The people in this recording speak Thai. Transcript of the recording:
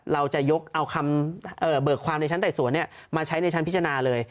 เราจะยกเอาคำเบิกความในชั้นไต่สวนมาใช้ในชั้นพิจารณาเลย